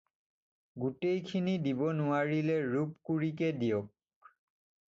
গোটেইখিনি দিব নোৱাৰিলে ৰূপ কুৰিকে দিয়ক।